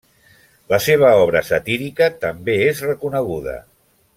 La seva obra satírica també és reconeguda.